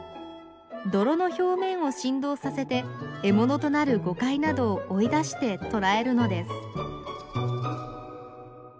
泥の表面を振動させて獲物となるゴカイなどを追い出して捕らえるのです。